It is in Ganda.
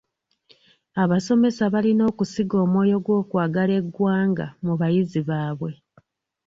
Abasomesa balina okusiga omwoyo gw'okwagala eggwanga mu bayizi baabwe.